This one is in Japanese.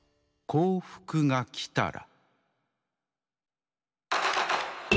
「『幸福』がきたら」。